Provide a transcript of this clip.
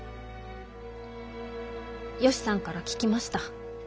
ヨシさんから聞きました。